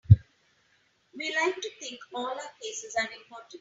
We like to think all our cases are important.